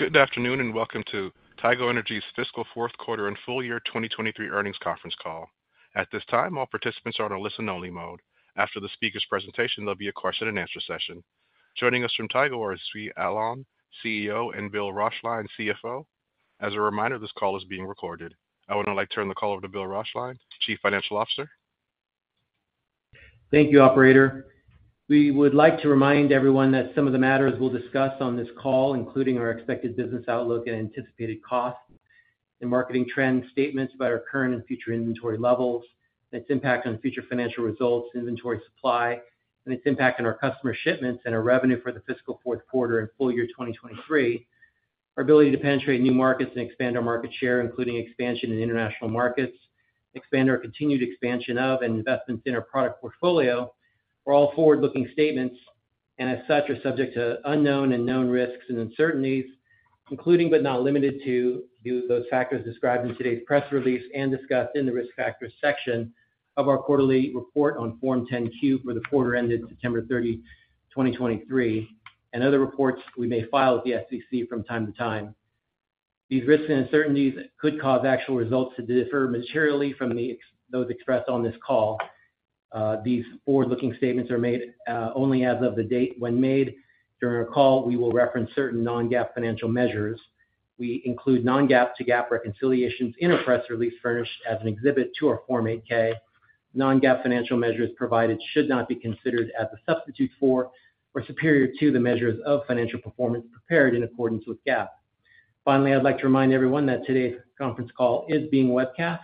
Good afternoon and welcome to Tigo Energy's Fiscal Fourth Quarter and Full Year 2023 Earnings Conference Call. At this time, all participants are on a listen-only mode. After the speaker's presentation, there'll be a question-and-answer session. Joining us from Tigo are Zvi Alon, CEO, and Bill Roeschlein, CFO. As a reminder, this call is being recorded. I would now like to turn the call over to Bill Roeschlein, Chief Financial Officer. Thank you, Operator. We would like to remind everyone that some of the matters we'll discuss on this call, including our expected business outlook and anticipated costs, and market trend statements about our current and future inventory levels, and its impact on future financial results, inventory supply, and its impact on our customer shipments and our revenue for the fiscal fourth quarter and full year 2023, our ability to penetrate new markets and expand our market share, including expansion in international markets, expand our continued expansion of and investments in our product portfolio, are all forward-looking statements, and as such are subject to unknown and known risks and uncertainties, including but not limited to those factors described in today's press release and discussed in the Risk Factors section of our quarterly report on Form 10-Q for the quarter ended September 30, 2023, and other reports we may file with the SEC from time to time. These risks and uncertainties could cause actual results to differ materially from those expressed on this call. These forward-looking statements are made only as of the date when made. During our call, we will reference certain non-GAAP financial measures. We include non-GAAP to GAAP reconciliations in our press release furnished as an exhibit to our Form 8-K. Non-GAAP financial measures provided should not be considered as a substitute for or superior to the measures of financial performance prepared in accordance with GAAP. Finally, I'd like to remind everyone that today's conference call is being webcast,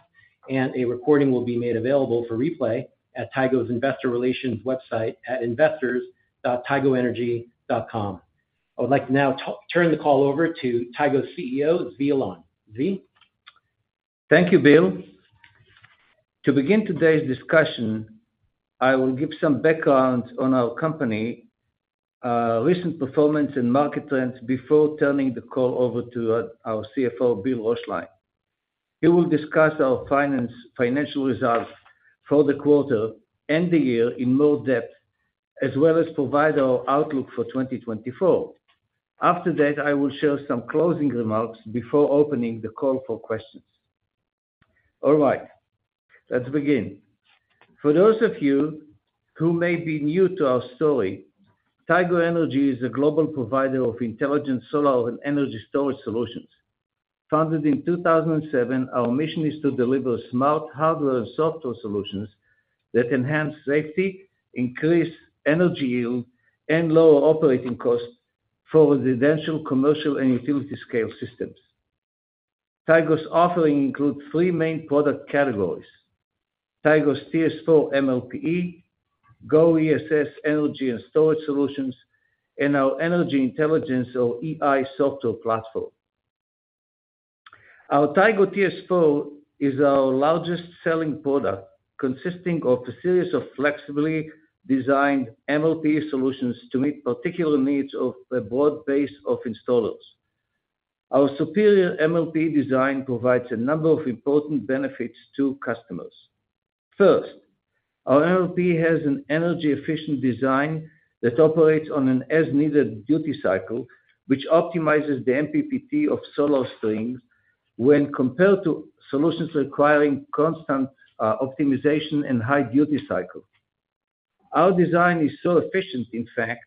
and a recording will be made available for replay at Tigo's Investor Relations website at investors.tigoenergy.com. I would like to now turn the call over to Tigo's CEO, Zvi Alon. Zvi? Thank you, Bill. To begin today's discussion, I will give some background on our company, recent performance, and market trends before turning the call over to our CFO, Bill Roeschlein. He will discuss our financial results for the quarter and the year in more depth, as well as provide our outlook for 2024. After that, I will share some closing remarks before opening the call for questions. All right. Let's begin. For those of you who may be new to our story, Tigo Energy is a global provider of intelligent solar and energy storage solutions. Founded in 2007, our mission is to deliver smart hardware and software solutions that enhance safety, increase energy yield, and lower operating costs for residential, commercial, and utility-scale systems. Tigo's offering includes three main product categories: Tigo's TS4 MLPE, GO ESS energy and storage solutions, and our Energy Intelligence, or EI, software platform. Our Tigo TS4 is our largest-selling product, consisting of a series of flexibly designed MLPE solutions to meet particular needs of a broad base of installers. Our superior MLPE design provides a number of important benefits to customers. First, our MLPE has an energy-efficient design that operates on an as-needed duty cycle, which optimizes the MPPT of solar strings when compared to solutions requiring constant optimization and high duty cycle. Our design is so efficient, in fact,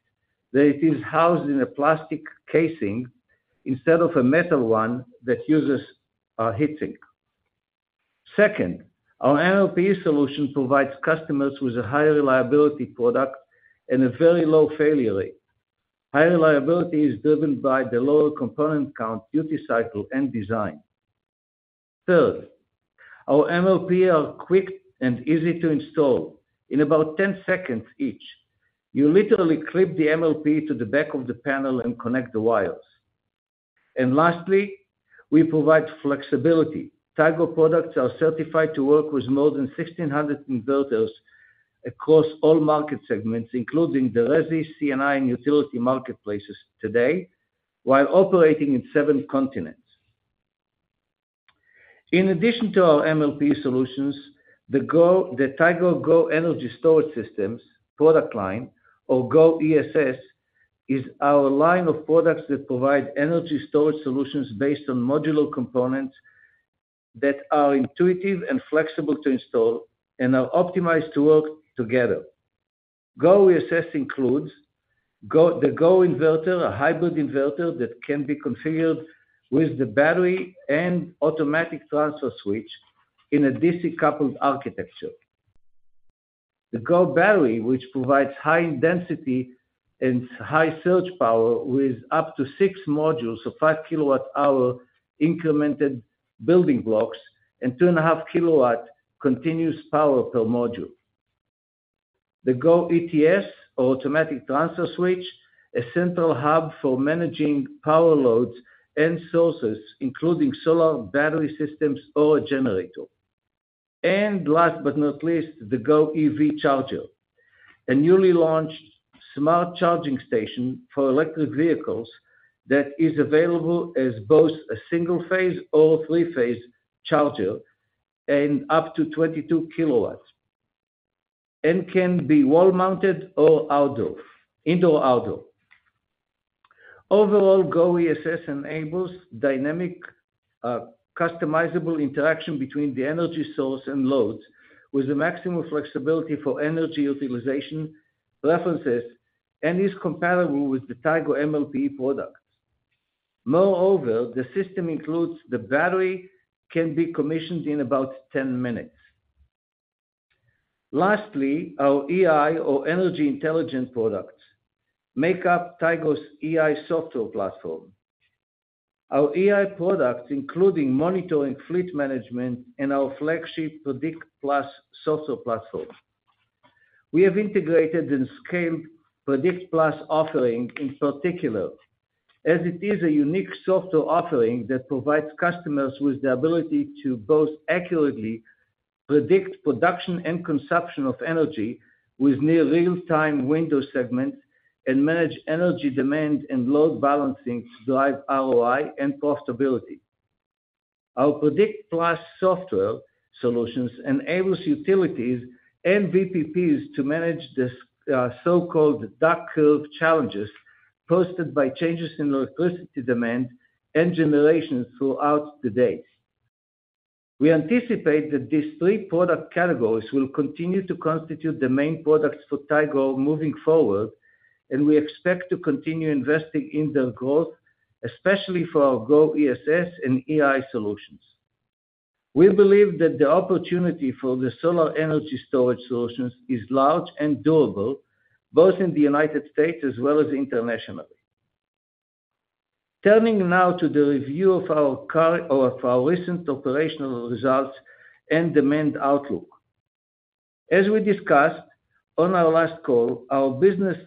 that it is housed in a plastic casing instead of a metal one that uses heatsink. Second, our MLPE solution provides customers with a high reliability product and a very low failure rate. High reliability is driven by the lower component count, duty cycle, and design. Third, our MLPE are quick and easy to install. In about 10 seconds each, you literally clip the MLPE to the back of the panel and connect the wires. Lastly, we provide flexibility. Tigo products are certified to work with more than 1,600 inverters across all market segments, including the Resi, C&I, and utility marketplaces today, while operating in seven continents. In addition to our MLPE solutions, the Tigo GO Energy Storage Systems product line, or GO ESS, is our line of products that provide energy storage solutions based on modular components that are intuitive and flexible to install and are optimized to work together. GO ESS includes the GO Inverter, a hybrid inverter that can be configured with the battery and automatic transfer switch in a DC-coupled architecture. The GO Battery, which provides high density and high surge power with up to six modules of 5 kWh incremented building blocks and 2.5 kW continuous power per module. The GO ATS, or automatic transfer switch, is a central hub for managing power loads and sources, including solar battery systems or a generator. Last but not least, the GO EV Charger, a newly launched smart charging station for electric vehicles that is available as both a single-phase or three-phase charger and up to 22 kW, and can be wall-mounted or indoor-outdoor. Overall, GO ESS enables dynamic, customizable interaction between the energy source and loads with the maximum flexibility for energy utilization preferences and is compatible with the Tigo MLPE products. Moreover, the system includes the battery can be commissioned in about 10 minutes. Lastly, our EI, or Energy Intelligence products, make up Tigo's EI software platform. Our EI products, including monitoring fleet management and our flagship Predict+ software platform. We have integrated and scaled Predict+ offering, in particular, as it is a unique software offering that provides customers with the ability to both accurately predict production and consumption of energy with near real-time window segments and manage energy demand and load balancing to drive ROI and profitability. Our Predict+ software solutions enable utilities and VPPs to manage the so-called Duck Curve challenges posed by changes in electricity demand and generation throughout the day. We anticipate that these three product categories will continue to constitute the main products for Tigo moving forward, and we expect to continue investing in their growth, especially for our GO ESS and EI solutions. We believe that the opportunity for the solar energy storage solutions is large and durable, both in the United States as well as internationally. Turning now to the review of our recent operational results and demand outlook. As we discussed on our last call, our business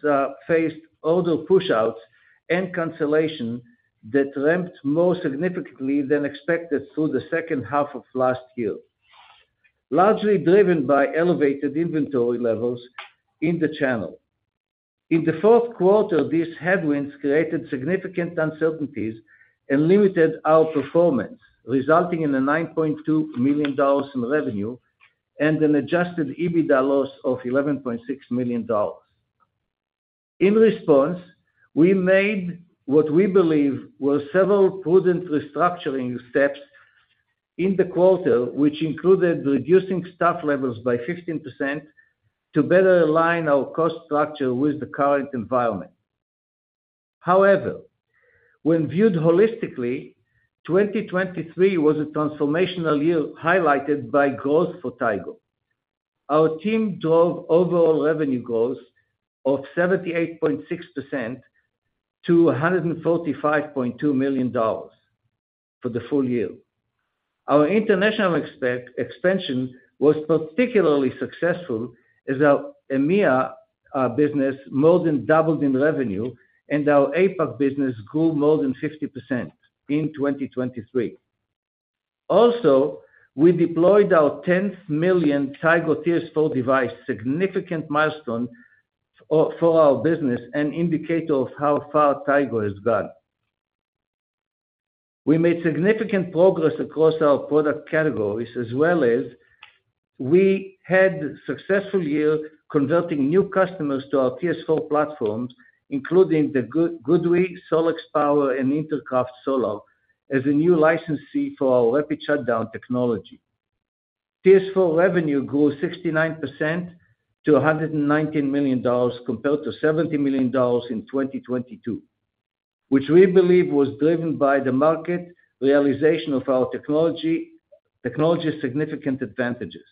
faced order pushouts and cancellation that ramped more significantly than expected through the second half of last year, largely driven by elevated inventory levels in the channel. In the fourth quarter, these headwinds created significant uncertainties and limited our performance, resulting in a $9.2 million in revenue and an adjusted EBITDA loss of $11.6 million. In response, we made what we believe were several prudent restructuring steps in the quarter, which included reducing staff levels by 15% to better align our cost structure with the current environment. However, when viewed holistically, 2023 was a transformational year highlighted by growth for Tigo. Our team drove overall revenue growth of 78.6% to $145.2 million for the full year. Our international expansion was particularly successful as our EMEA business more than doubled in revenue, and our APAC business grew more than 50% in 2023. Also, we deployed our 10 millionth Tigo TS4 device, a significant milestone for our business and indicator of how far Tigo has gone. We made significant progress across our product categories, as well as we had a successful year converting new customers to our TS4 platforms, including the GoodWe, SolaX Power, and Intercraft Solar as a new licensee for our rapid shutdown technology. TS4 revenue grew 69% to $119 million compared to $70 million in 2022, which we believe was driven by the market realization of our technology's significant advantages.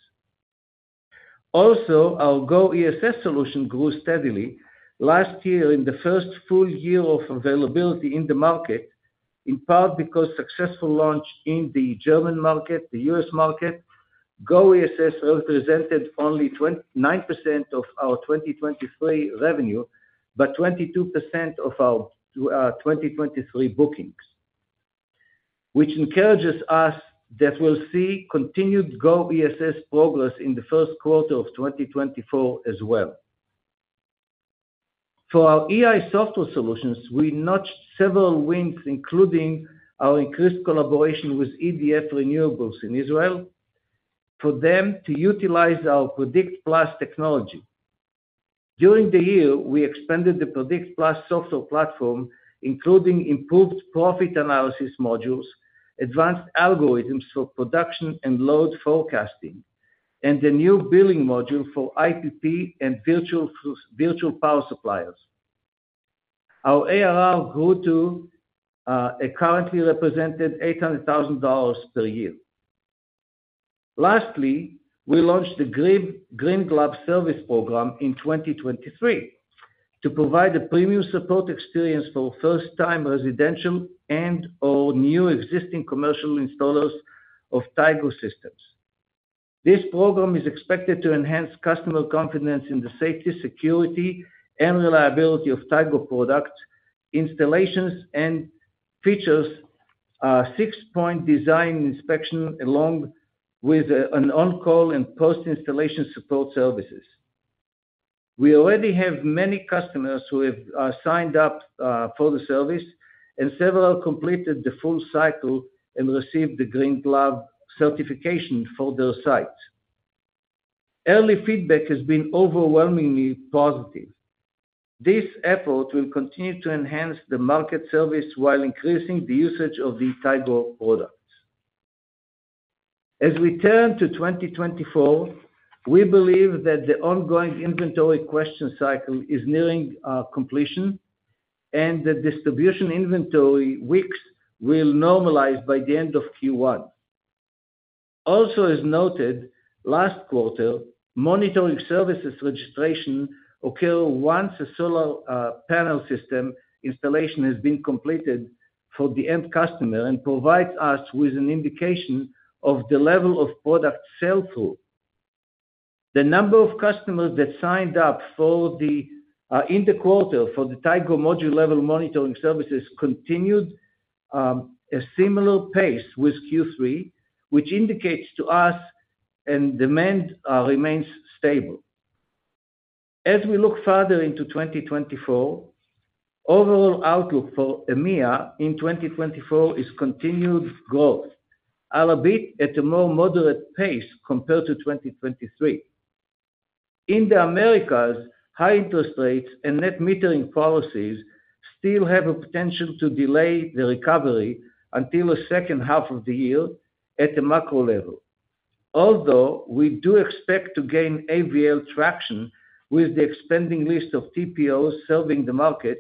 Also, our GO ESS solution grew steadily last year in the first full year of availability in the market, in part because of successful launch in the German market, the U.S. market. GO ESS represented only 9% of our 2023 revenue, but 22% of our 2023 bookings, which encourages us that we'll see continued GO ESS progress in the first quarter of 2024 as well. For our EI software solutions, we notched several wins, including our increased collaboration with EDF Renewables in Israel for them to utilize our Predict+ technology. During the year, we expanded the Predict+ software platform, including improved profit analysis modules, advanced algorithms for production and load forecasting, and a new billing module for IPP and virtual power suppliers. Our ARR grew to a currently represented $800,000 per year. Lastly, we launched the Green Glove service program in 2023 to provide a premium support experience for first-time residential and/or new existing commercial installers of Tigo systems. This program is expected to enhance customer confidence in the safety, security, and reliability of Tigo product installations and features, six-point design inspection along with an on-call and post-installation support services. We already have many customers who have signed up for the service and several completed the full cycle and received the Green Glove certification for their sites. Early feedback has been overwhelmingly positive. This effort will continue to enhance the market service while increasing the usage of the Tigo products. As we turn to 2024, we believe that the ongoing inventory question cycle is nearing completion, and the distribution inventory weeks will normalize by the end of Q1. Also, as noted last quarter, monitoring services registration occurred once a solar panel system installation has been completed for the end customer and provides us with an indication of the level of product sell-through. The number of customers that signed up in the quarter for the Tigo module-level monitoring services continued a similar pace with Q3, which indicates to us and demand remains stable. As we look farther into 2024, overall outlook for EMEA in 2024 is continued growth, albeit at a more moderate pace compared to 2023. In the Americas, high interest rates and Net Metering policies still have the potential to delay the recovery until the second half of the year at the macro level, although we do expect to gain AVL traction with the expanding list of TPOs serving the market,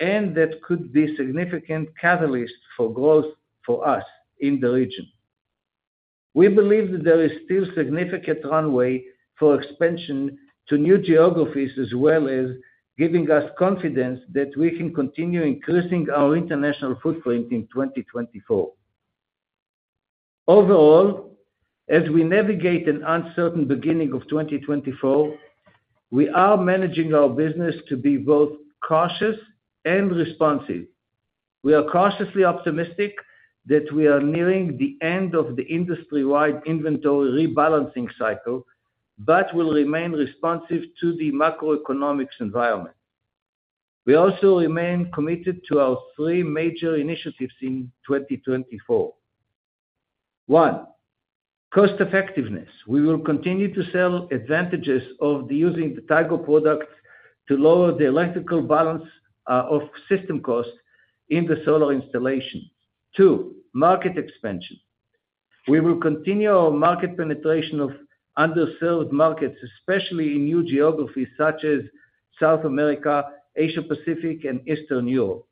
and that could be a significant catalyst for growth for us in the region. We believe that there is still significant runway for expansion to new geographies, as well as giving us confidence that we can continue increasing our international footprint in 2024. Overall, as we navigate an uncertain beginning of 2024, we are managing our business to be both cautious and responsive. We are cautiously optimistic that we are nearing the end of the industry-wide inventory rebalancing cycle but will remain responsive to the macroeconomic environment. We also remain committed to our three major initiatives in 2024. One, cost effectiveness. We will continue to sell advantages of using the Tigo products to lower the electrical balance of system costs in the solar installation. Two, market expansion. We will continue our market penetration of underserved markets, especially in new geographies such as South America, Asia-Pacific, and Eastern Europe.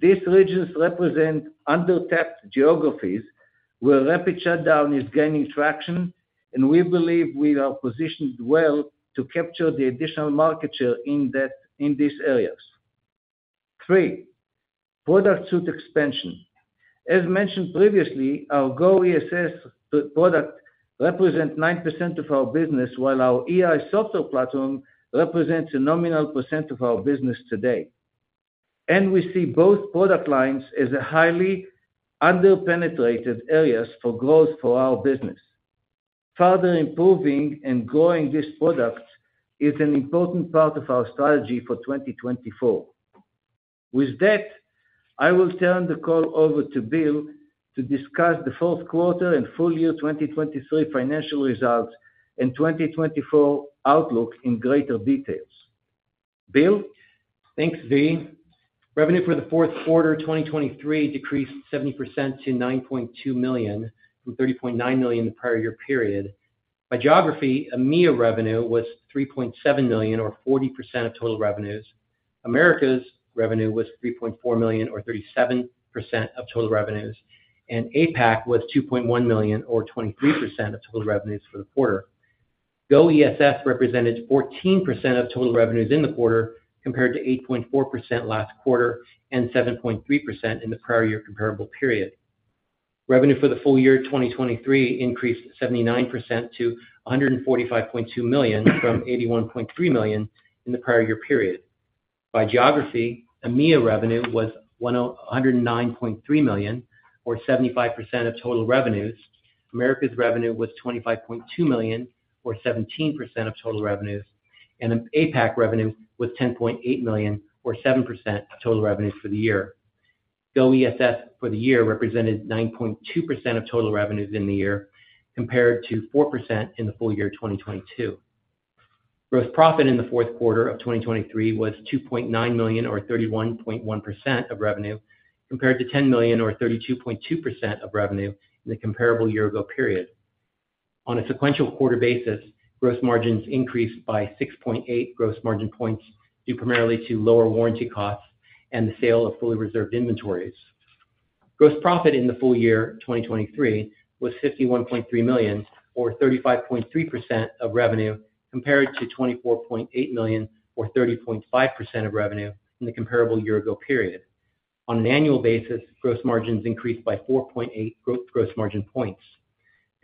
These regions represent undertapped geographies where rapid shutdown is gaining traction, and we believe we are positioned well to capture the additional market share in these areas. Three, product suite expansion. As mentioned previously, our GO ESS product represents 9% of our business, while our EI software platform represents a nominal % of our business today. We see both product lines as highly underpenetrated areas for growth for our business. Further improving and growing these products is an important part of our strategy for 2024. With that, I will turn the call over to Bill to discuss the fourth quarter and full year 2023 financial results and 2024 outlook in greater details. Bill? Thanks, Zvi. Revenue for the fourth quarter 2023 decreased 70% to $9.2 million from $30.9 million the prior year period. By geography, EMEA revenue was $3.7 million, or 40% of total revenues. Americas revenue was $3.4 million, or 37% of total revenues. APAC was $2.1 million, or 23% of total revenues for the quarter. GO ESS represented 14% of total revenues in the quarter compared to 8.4% last quarter and 7.3% in the prior year comparable period. Revenue for the full year 2023 increased 79% to $145.2 million from $81.3 million in the prior year period. By geography, EMEA revenue was $109.3 million, or 75% of total revenues. Americas revenue was $25.2 million, or 17% of total revenues. APAC revenue was $10.8 million, or 7% of total revenues for the year. GO ESS for the year represented 9.2% of total revenues in the year compared to 4% in the full year 2022. Gross profit in the fourth quarter of 2023 was $2.9 million, or 31.1% of revenue compared to $10 million, or 32.2% of revenue in the comparable year-ago period. On a sequential quarter basis, gross margins increased by 6.8 gross margin points due primarily to lower warranty costs and the sale of fully reserved inventories. Gross profit in the full year 2023 was $51.3 million, or 35.3% of revenue compared to $24.8 million, or 30.5% of revenue in the comparable year-ago period. On an annual basis, gross margins increased by 4.8 gross margin points.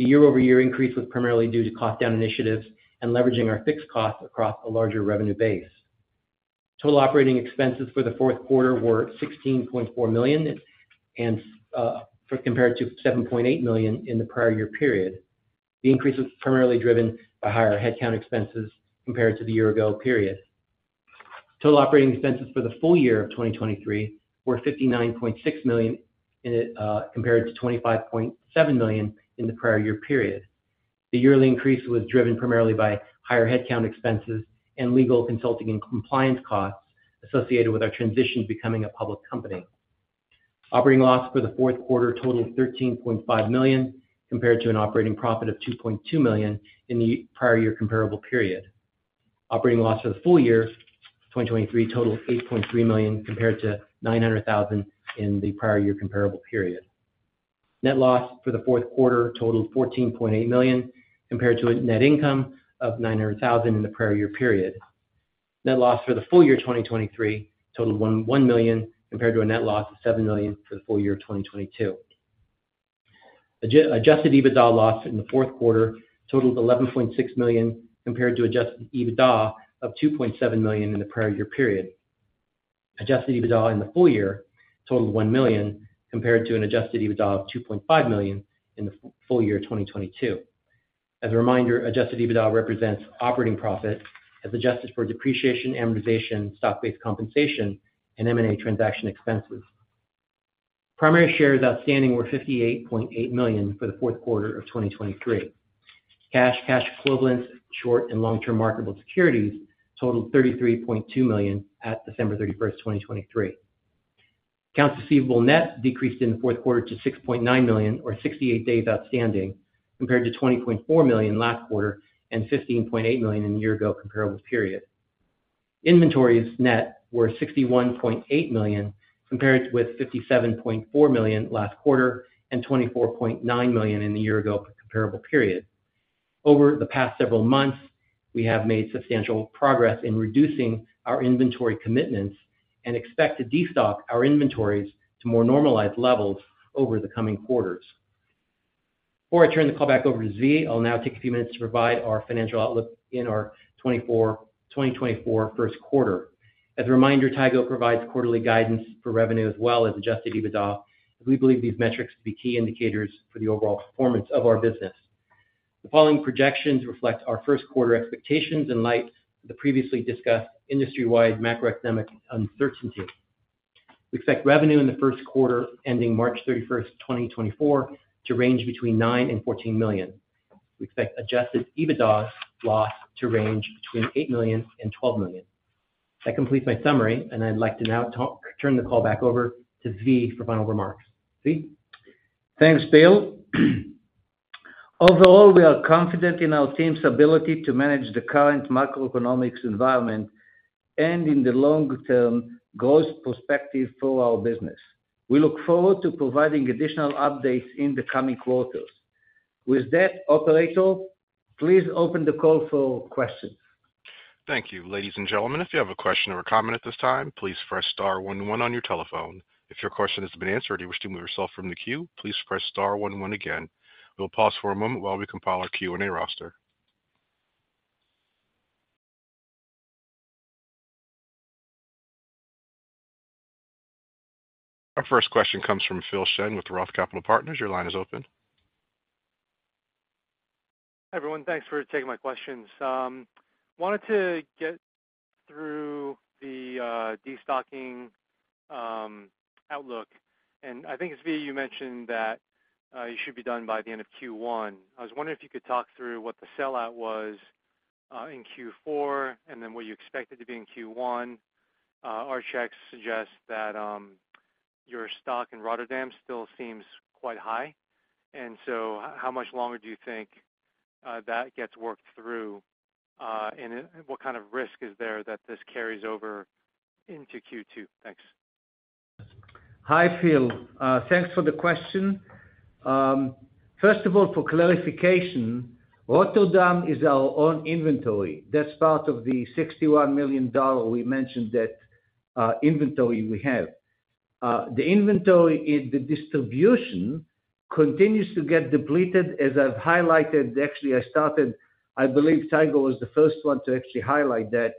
The year-over-year increase was primarily due to cost-down initiatives and leveraging our fixed costs across a larger revenue base. Total operating expenses for the fourth quarter were $16.4 million compared to $7.8 million in the prior year period. Total operating expenses for the full year of 2023 were $59.6 million compared to $25.7 million in the prior year period. The yearly increase was driven primarily by higher headcount expenses and legal consulting and compliance costs associated with our transition to becoming a public company. Operating loss for the fourth quarter totaled $13.5 million compared to an operating profit of $2.2 million in the prior year comparable period. Operating loss for the full year 2023 totaled $8.3 million compared to $900,000 in the prior year comparable period. Net loss for the fourth quarter totaled $14.8 million compared to a net income of $900,000 in the prior year period. Net loss for the full year 2023 totaled $1 million compared to a net loss of $7 million for the full year of 2022. Adjusted EBITDA loss in the fourth quarter totaled $11.6 million compared to adjusted EBITDA of $2.7 million in the prior year period. Adjusted EBITDA in the full year totaled $1 million compared to an adjusted EBITDA of $2.5 million in the full year 2022. As a reminder, adjusted EBITDA represents operating profit as adjusted for depreciation, amortization, stock-based compensation, and M&A transaction expenses. Primary shares outstanding were 58.8 million for the fourth quarter of 2023. Cash, cash equivalents, short and long-term marketable securities totaled $33.2 million at December 31st, 2023. Accounts receivable net decreased in the fourth quarter to $6.9 million, or 68 days outstanding compared to $20.4 million last quarter and $15.8 million in the year-ago comparable period. Inventories net were $61.8 million compared with $57.4 million last quarter and $24.9 million in the year-ago comparable period. Over the past several months, we have made substantial progress in reducing our inventory commitments and expect to destock our inventories to more normalized levels over the coming quarters. Before I turn the call back over to Zvi, I'll now take a few minutes to provide our financial outlook in our 2024 first quarter. As a reminder, Tigo provides quarterly guidance for revenue as well as sdjusted EBITDA, and we believe these metrics to be key indicators for the overall performance of our business. The following projections reflect our first quarter expectations in light of the previously discussed industry-wide macroeconomic uncertainty. We expect revenue in the first quarter ending March 31st, 2024, to range between $9 million-$14 million. We expect adjusted EBITDA loss to range between $8 million-$12 million. That completes my summary, and I'd like to now turn the call back over to Zvi for final remarks. Zvi? Thanks, Bill. Overall, we are confident in our team's ability to manage the current macroeconomic environment and in the long-term growth perspective for our business. We look forward to providing additional updates in the coming quarters. With that, operator, please open the call for questions. Thank you. Ladies and gentlemen, if you have a question or a comment at this time, please press star 11 on your telephone. If your question has been answered or you wish to move yourself from the queue, please press star 11 again. We'll pause for a moment while we compile our Q&A roster. Our first question comes from Phil Shen with Roth Capital Partners. Your line is open. Hi, everyone. Thanks for taking my questions. I wanted to get through the destocking outlook. And I think, Zvi, you mentioned that it should be done by the end of Q1. I was wondering if you could talk through what the sellout was in Q4 and then what you expected to be in Q1. Our checks suggests that your stock in Rotterdam still seems quite high. And so how much longer do you think that gets worked through, and what kind of risk is there that this carries over into Q2? Thanks. Hi, Phil. Thanks for the question. First of all, for clarification, Rotterdam is our own inventory. That's part of the $61 million we mentioned that inventory we have. The inventory in the distribution continues to get depleted, as I've highlighted. Actually, I started I believe Tigo was the first one to actually highlight that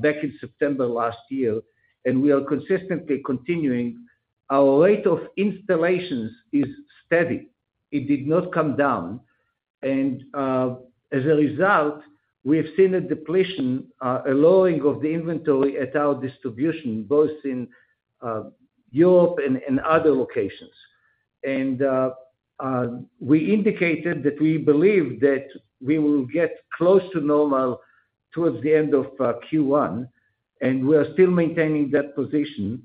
back in September last year. And we are consistently continuing. Our rate of installations is steady. It did not come down. And as a result, we have seen a depletion, a lowering of the inventory at our distribution, both in Europe and other locations. We indicated that we believe that we will get close to normal towards the end of Q1. We are still maintaining that position.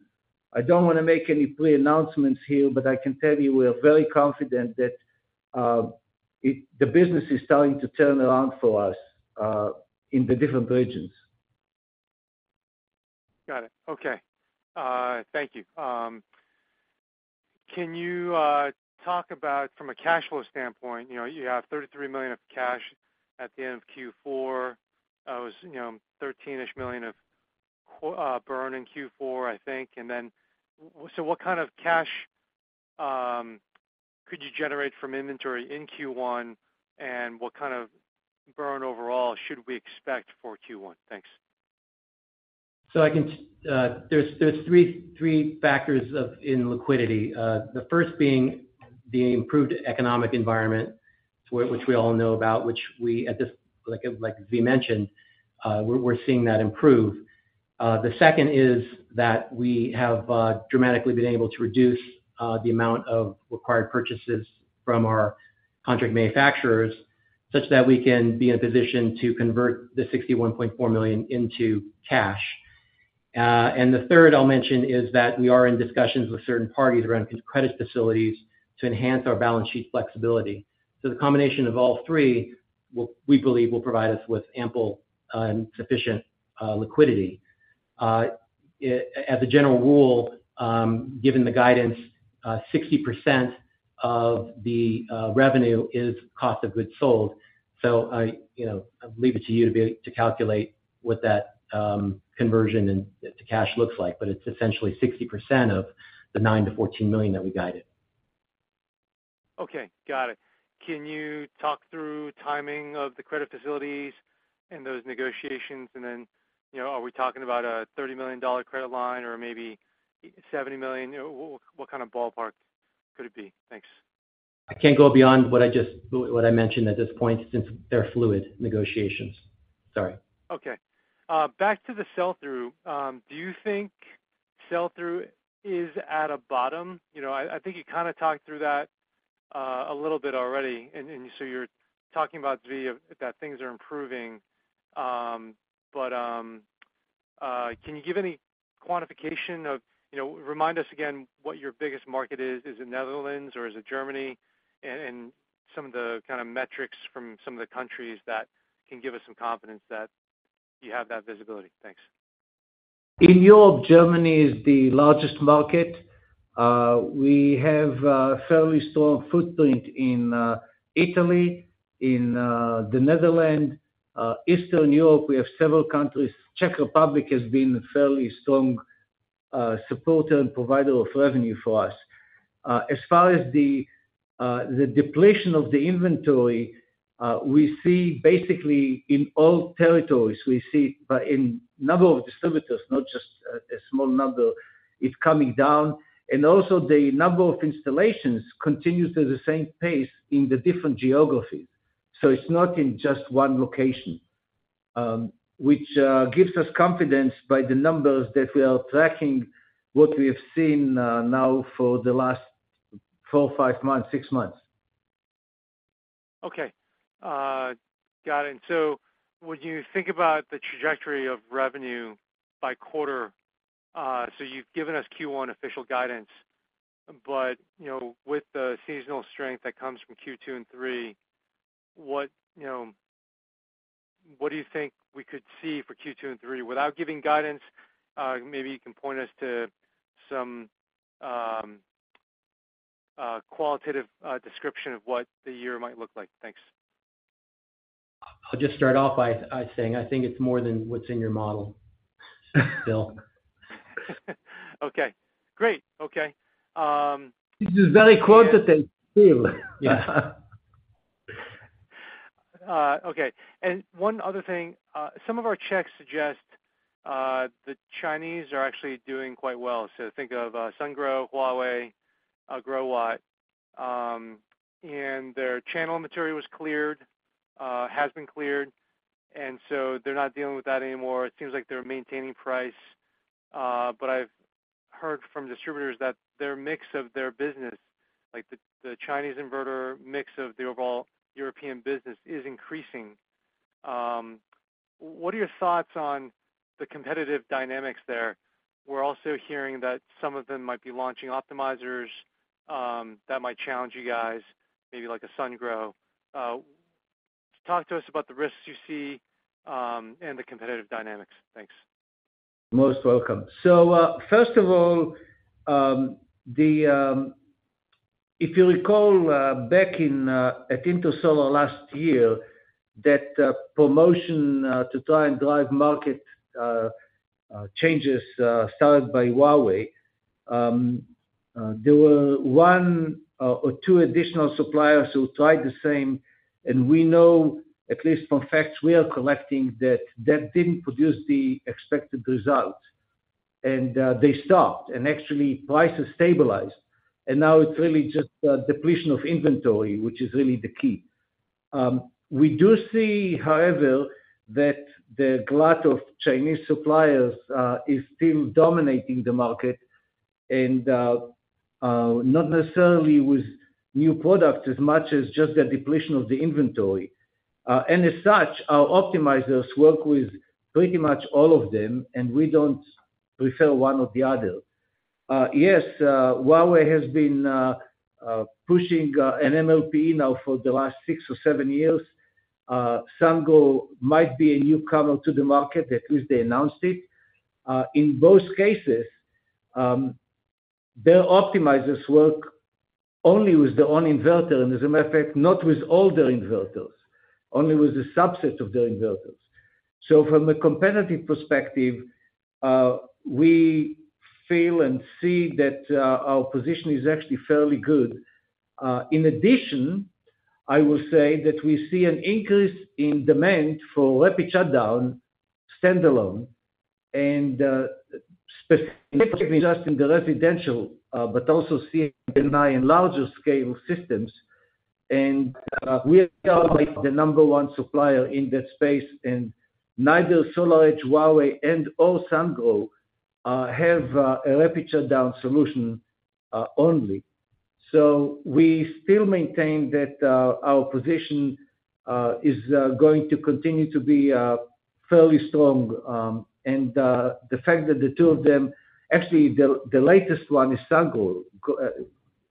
I don't want to make any pre-announcements here, but I can tell you we are very confident that the business is starting to turn around for us in the different regions. Got it. Okay. Thank you. Can you talk about, from a cash flow standpoint, you have $33 million of cash at the end of Q4. There was $13 million-ish of burn in Q4, I think. And then so what kind of cash could you generate from inventory in Q1, and what kind of burn overall should we expect for Q1? Thanks. So there's three factors in liquidity. The first being the improved economic environment, which we all know about, which we, like Zvi mentioned, we're seeing that improve. The second is that we have dramatically been able to reduce the amount of required purchases from our contract manufacturers, such that we can be in a position to convert the $61.4 million into cash. The third I'll mention is that we are in discussions with certain parties around credit facilities to enhance our balance sheet flexibility. So the combination of all three, we believe, will provide us with ample and sufficient liquidity. As a general rule, given the guidance, 60% of the revenue is cost of goods sold. I'll leave it to you to calculate what that conversion into cash looks like. But it's essentially 60% of the $9 million-$14 million that we guided. Okay. Got it. Can you talk through timing of the credit facilities and those negotiations? And then are we talking about a $30 million credit line or maybe $70 million? What kind of ballpark could it be? Thanks. I can't go beyond what I mentioned at this point since they're fluid negotiations. Sorry. Okay. Back to the sell-through. Do you think sell-through is at a bottom? I think you kind of talked through that a little bit already. And so you're talking about, Zvi, that things are improving. But can you give any quantification or remind us again what your biggest market is. Is it Netherlands or is it Germany? And some of the kind of metrics from some of the countries that can give us some confidence that you have that visibility. Thanks. In Europe, Germany is the largest market. We have a fairly strong footprint in Italy, in the Netherlands, Eastern Europe. We have several countries. Czech Republic has been a fairly strong supporter and provider of revenue for us. As far as the depletion of the inventory, we see basically in all territories, we see in number of distributors, not just a small number, it coming down. Also, the number of installations continues at the same pace in the different geographies. So it's not in just one location, which gives us confidence by the numbers that we are tracking what we have seen now for the last four, five months, six months. Okay. Got it. So when you think about the trajectory of revenue by quarter so you've given us Q1 official guidance. But with the seasonal strength that comes from Q2 and 3, what do you think we could see for Q2 and Q3? Without giving guidance, maybe you can point us to some qualitative description of what the year might look like. Thanks. I'll just start off by saying I think it's more than what's in your model, Phil. Okay. Great. Okay. This is very quantitative, Phil. Yeah. Okay. And one other thing, some of our checks suggest the Chinese are actually doing quite well. So think of Sungrow, Huawei, Growatt. And their channel material was cleared, has been cleared. And so they're not dealing with that anymore. It seems like they're maintaining price. But I've heard from distributors that their mix of their business, the Chinese inverter mix of the overall European business, is increasing. What are your thoughts on the competitive dynamics there? We're also hearing that some of them might be launching optimizers that might challenge you guys, maybe like a Sungrow. Talk to us about the risks you see and the competitive dynamics. Thanks. Most welcome. So, first of all, if you recall back at Intersolar last year, that promotion to try and drive market changes started by Huawei, there were one or two additional suppliers who tried the same. We know, at least from facts we are collecting, that that didn't produce the expected results. They stopped. Actually, prices stabilized. Now it's really just depletion of inventory, which is really the key. We do see, however, that the glut of Chinese suppliers is still dominating the market, and not necessarily with new products as much as just the depletion of the inventory. As such, our optimizers work with pretty much all of them, and we don't prefer one or the other. Yes, Huawei has been pushing an MLP now for the last six or seven years. Sungrow might be a newcomer to the market. At least they announced it. In both cases, their optimizers work only with their own inverter. And as a matter of fact, not with all their inverters, only with a subset of their inverters. So from a competitive perspective, we feel and see that our position is actually fairly good. In addition, I will say that we see an increase in demand for rapid shutdown standalone, and specifically just in the residential, but also seeing demand in larger-scale systems. And we are the number one supplier in that space. And neither SolarEdge, Huawei, nor Sungrow have a rapid shutdown solution only. So we still maintain that our position is going to continue to be fairly strong. And the fact that the two of them actually, the latest one is Sungrow.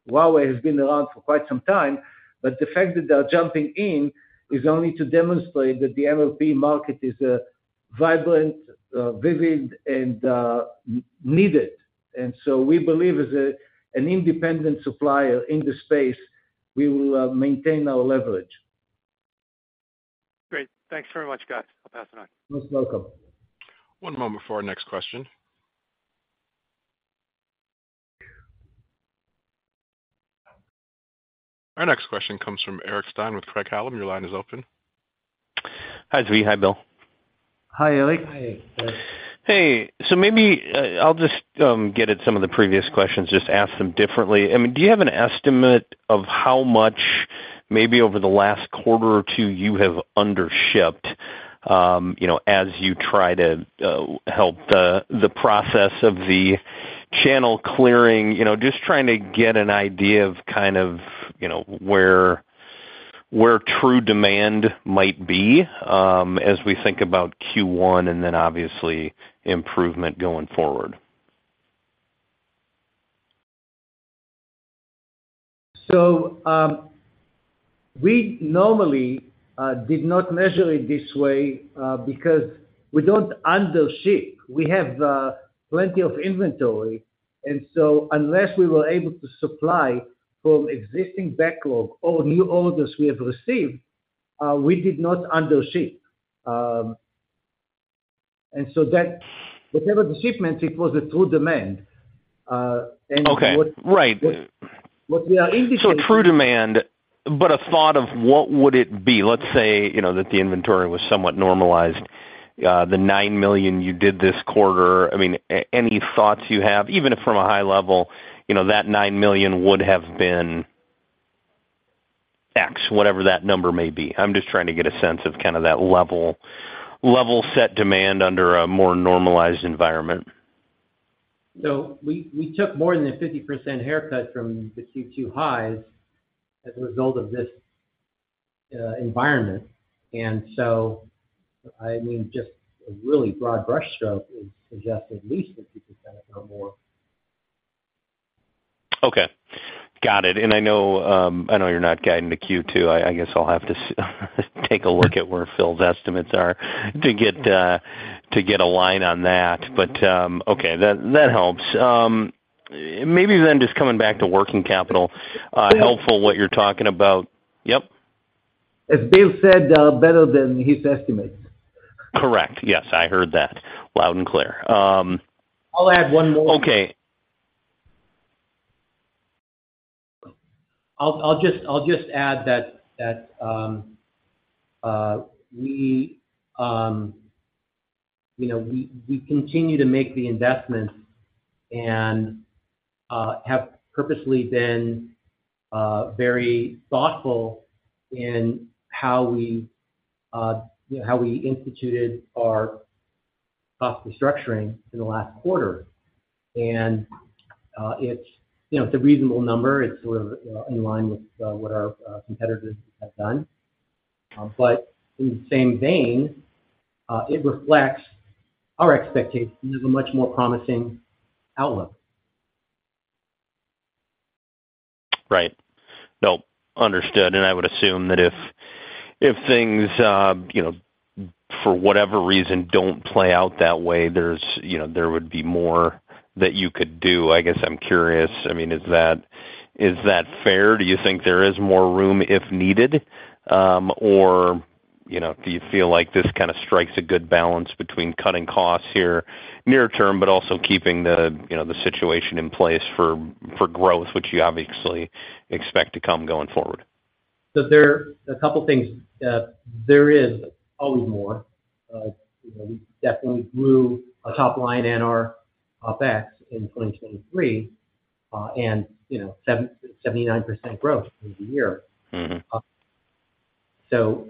Huawei has been around for quite some time. But the fact that they're jumping in is only to demonstrate that the MLP market is vibrant, vivid, and needed. And so we believe, as an independent supplier in the space, we will maintain our leverage. Great. Thanks very much, guys. I'll pass it on. Most welcome. One moment for our next question. Our next question comes from Eric Stine with Craig-Hallum. Your line is open. Hi, Zvi. Hi, Bill. Hi, Eric. Hi. Hey. So maybe I'll just get at some of the previous questions, just ask them differently. I mean, do you have an estimate of how much, maybe over the last quarter or two, you have undershipped as you try to help the process of the channel clearing? Just trying to get an idea of kind of where true demand might be as we think about Q1 and then, obviously, improvement going forward. So we normally did not measure it this way because we don't undership. We have plenty of inventory. And so unless we were able to supply from existing backlog or new orders we have received, we did not undership. And so whatever the shipments, it was a true demand. And what we are indicating-- So true demand, but a thought of what would it be? Let's say that the inventory was somewhat normalized. The $9 million you did this quarter. I mean, any thoughts you have? Even if from a high level, that $9 million would have been X, whatever that number may be. I'm just trying to get a sense of kind of that level-set demand under a more normalized environment. So we took more than a 50% haircut from the Q2 highs as a result of this environment. And so, I mean, just a really broad brushstroke suggests at least a 50% if not more. Okay. Got it. And I know you're not guiding to Q2. I guess I'll have to take a look at where Phil's estimates are to get a line on that. But okay. That helps. Maybe then just coming back to working capital. Helpful what you're talking about. Yep. As Bill said, better than his estimates. Correct. Yes. I heard that loud and clear. I'll add one more. Okay. I'll just add that we continue to make the investments and have purposely been very thoughtful in how we instituted our cost restructuring in the last quarter. And it's a reasonable number. It's sort of in line with what our competitors have done. But in the same vein, it reflects our expectations of a much more promising outlook. Right. No. Understood. And I would assume that if things, for whatever reason, don't play out that way, there would be more that you could do. I guess I'm curious. I mean, is that fair? Do you think there is more room if needed? Or do you feel like this kind of strikes a good balance between cutting costs here near-term, but also keeping the situation in place for growth, which you obviously expect to come going forward? So there are a couple of things. There is always more. We definitely grew our top line and our OpEx in 2023, and 79% growth over the year. So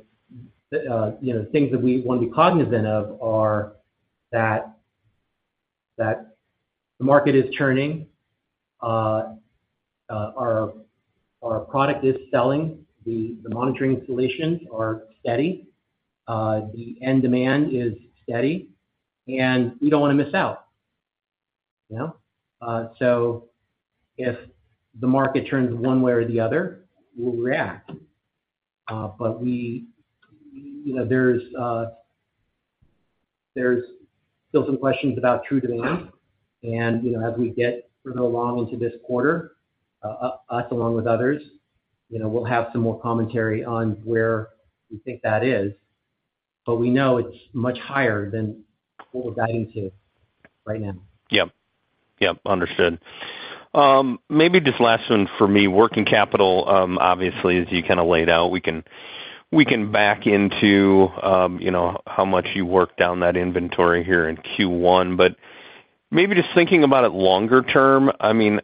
the things that we want to be cognizant of are that the market is turning. Our product is selling. The monitoring solutions are steady. The end demand is steady. And we don't want to miss out. So if the market turns one way or the other, we'll react. But there's still some questions about true demand. And as we get further along into this quarter, us along with others, we'll have some more commentary on where we think that is. But we know it's much higher than what we're guiding to right now. Yep. Yep. Understood. Maybe just last one for me. Working capital, obviously, as you kind of laid out, we can back into how much you worked down that inventory here in Q1. But maybe just thinking about it longer term, I mean,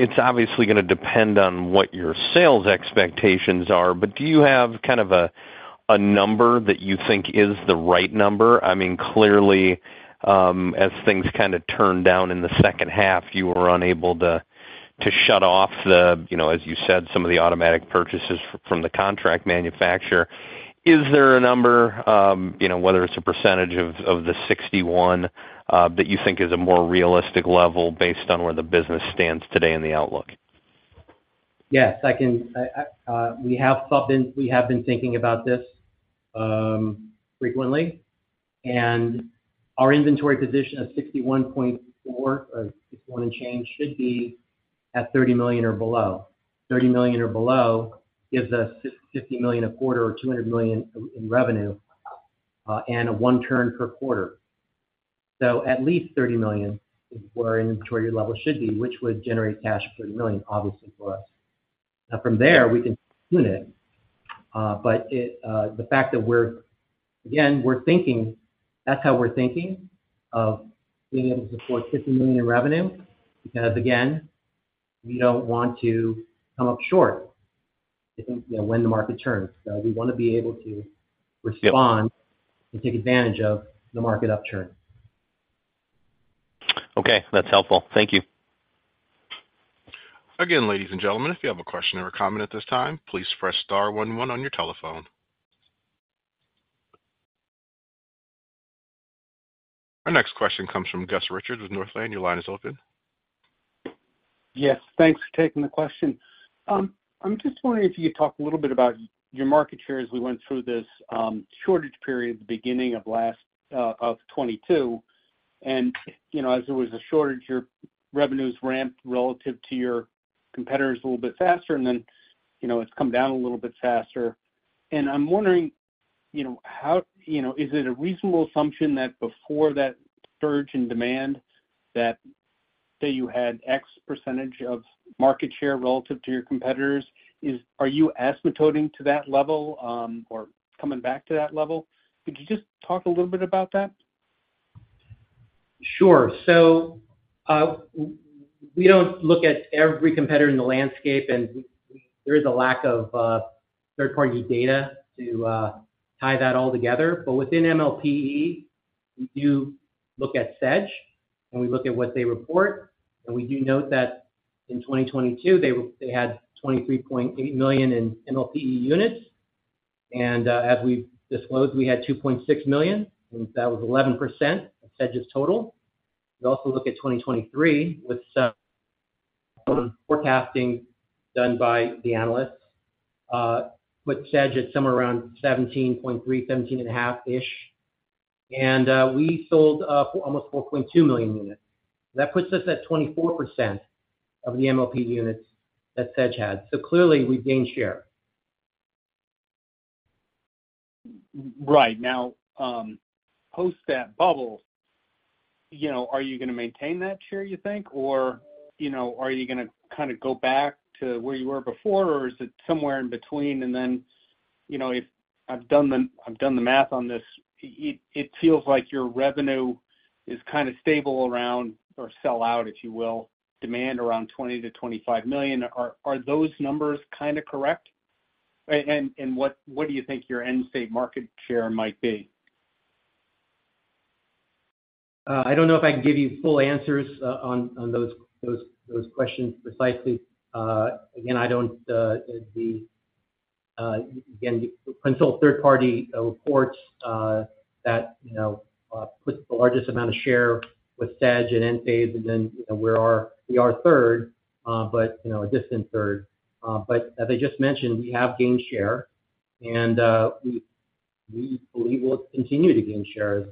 it's obviously going to depend on what your sales expectations are. But do you have kind of a number that you think is the right number? I mean, clearly, as things kind of turned down in the second half, you were unable to shut off, as you said, some of the automatic purchases from the contract manufacturer. Is there a number, whether it's a percentage of the 61%, that you think is a more realistic level based on where the business stands today in the outlook? Yes. We have been thinking about this frequently. Our inventory position of $61.4 million or $61 million and change should be at $30 million or below. $30 million or below gives us $50 million a quarter or $200 million in revenue and a one-turn per quarter. So at least $30 million is where inventory level should be, which would generate cash of $30 million, obviously, for us. Now, from there, we can tune it. But the fact that, again, we're thinking that's how we're thinking of being able to support $50 million in revenue because, again, we don't want to come up short when the market turns. So we want to be able to respond and take advantage of the market upturn. Okay. That's helpful. Thank you. Again, ladies and gentlemen, if you have a question or a comment at this time, please press star 11 on your telephone. Our next question comes from Gus Richard with Northland. Your line is open. Yes. Thanks for taking the question. I'm just wondering if you could talk a little bit about your market share as we went through this shortage period at the beginning of 2022. And as there was a shortage, your revenues ramped relative to your competitors a little bit faster, and then it's come down a little bit faster. And I'm wondering, is it a reasonable assumption that before that surge in demand, that say you had X percentage of market share relative to your competitors, are you asymptoting to that level or coming back to that level? Could you just talk a little bit about that? Sure. So we don't look at every competitor in the landscape. And there is a lack of third-party data to tie that all together. But within MLPE, we do look at SEDG, and we look at what they report. And we do note that in 2022, they had 23.8 million MLPE units. And as we disclosed, we had 2.6 million. And that was 11% of SEDG's total. We also look at 2023 with some forecasting done by the analysts. Put SEDG at somewhere around 17.3%, 17.5%-ish. And we sold almost 4.2 million units. That puts us at 24% of the MLPE units that SEDG had. So clearly, we've gained share. Right. Now, post that bubble, are you going to maintain that share, you think? Or are you going to kind of go back to where you were before? Or is it somewhere in between? And then if I've done the math on this, it feels like your revenue is kind of stable around or sell out, if you will, demand around $20 million-$25 million. Are those numbers kind of correct? And what do you think your end-state market share might be? I don't know if I can give you full answers on those questions precisely. Again, I don't consult third-party reports that put the largest amount of share with SEG and Enphase. And then we are third, but a distant third. But as I just mentioned, we have gained share. We believe we'll continue to gain share as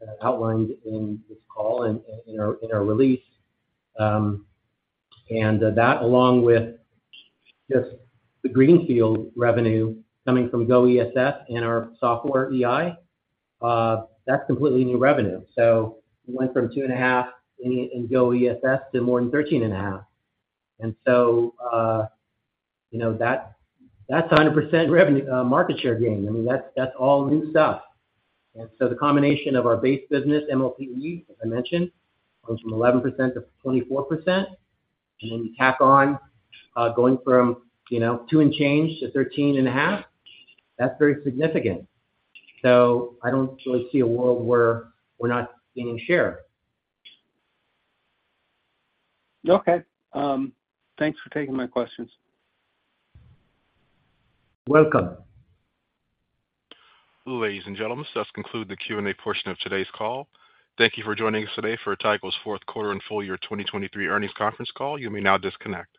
we've outlined in this call and in our release. That, along with just the greenfield revenue coming from GO ESS and our software EI, that's completely new revenue. So we went from $2.5 in GO ESS to more than $13.5. So that's 100% market share gain. I mean, that's all new stuff. So the combination of our base business, MLPE, as I mentioned, going from 11%-24%. And then you tack on going from $2 and change to $13.5. That's very significant. So I don't really see a world where we're not gaining share. Okay. Thanks for taking my questions. Welcome. Ladies and gentlemen, that concludes the Q&A portion of today's call. Thank you for joining us today for Tigo's fourth quarter and full year 2023 earnings conference call. You may now disconnect.